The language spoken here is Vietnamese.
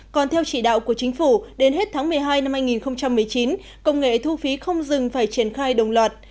còn theo chỉ đạo của chính phủ đến hết tháng một mươi hai năm hai nghìn một mươi chín công nghệ thu phí không dừng phải triển khai đồng loạt